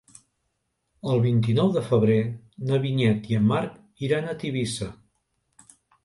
El vint-i-nou de febrer na Vinyet i en Marc iran a Tivissa.